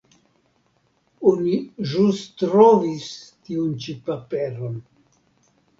Oni ĵus trovis tiun ĉi paperon.